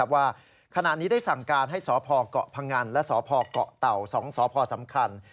ว่าขณะนี้ได้สั่งการให้สพเกาะพงันและสพเกาะเต่า๒สพสำคัญ